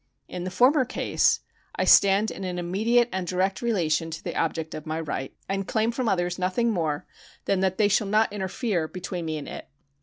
In the former case I stand in an immediate and direct relation to the object of my right, and claim from others nothing more than that they shall not interfere between me and it.